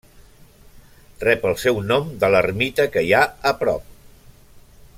Rep el seu nom de l'ermita que hi ha a prop.